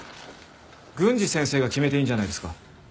郡司先生が決めていいんじゃないですか？